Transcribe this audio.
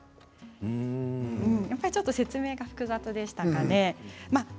やっぱり、ちょっと説明が複雑でしたかね。